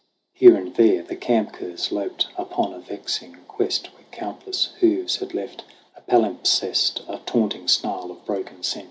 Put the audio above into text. Here and there The camp curs loped upon a vexing quest Where countless hoofs had left a palimpsest, A taunting snarl of broken scents.